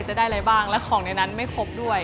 จะได้อะไรบ้างและของในนั้นไม่ครบด้วย